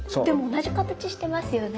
同じ形してますよね。